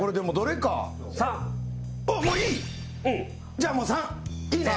じゃあもう参いいね？